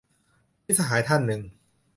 มิตรสหายท่านนึง